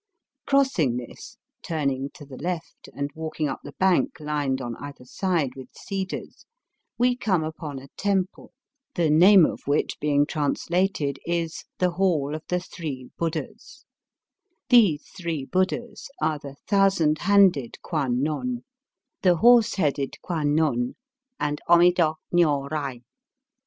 Crossing this, turning to the left and walking up the bank lined on either side with cedars, we come upon a temple, the name of which VOL. I. 17 Digitized by VjOOQIC 258 EAST BY WEST. being translated is "the Hall of the Three Buddhas." These three /Buddhas are the Thousand Handed Kwan non, the Horse headed Kwan non, and Amida Nio Rai.